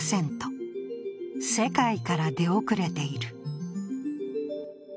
世界から出遅れている。